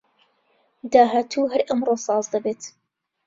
داهاتوو هەر ئەمڕۆ ساز دەبێت